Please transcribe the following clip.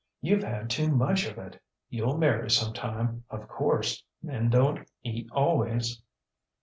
YouŌĆÖve had too much of it. YouŌĆÖll marry some time, of course. Men donŌĆÖt eat always.